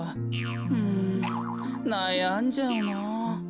うんなやんじゃうな。